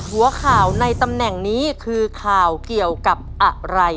หัวข่าวในตำแหน่งนี้คือข่าวเกี่ยวกับอะไร